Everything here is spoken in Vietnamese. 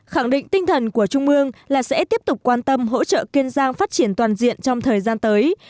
khẳng định tinh thần của trung ương là sẽ tiếp tục quan tâm hỗ trợ kiên giang phát triển toàn diện trong thời gian tới